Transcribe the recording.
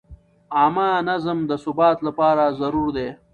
عامه نظم د ثبات لپاره ضروري دی.